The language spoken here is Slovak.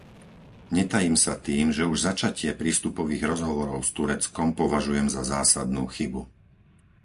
Netajím sa tým, že už začatie prístupových rozhovorov s Tureckom považujem za zásadnú chybu.